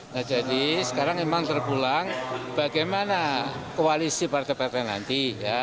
nah jadi sekarang memang terpulang bagaimana koalisi partai partai nanti